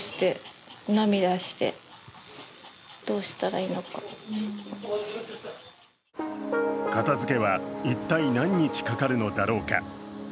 家の中は片付けは一体何日かかるのだろうか。